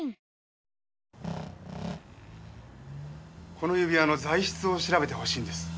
この指輪の材質を調べてほしいんです。